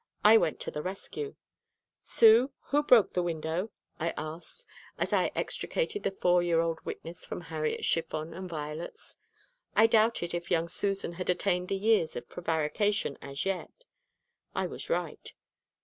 I went to the rescue. "Sue, who broke the window?" I asked, as I extricated the four year old witness from Harriet's chiffon and violets. I doubted if young Susan had attained the years of prevarication as yet. I was right.